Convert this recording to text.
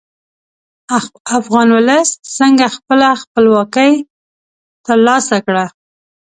افغان ولس څنګه خپله خپلواکي تر لاسه کړه.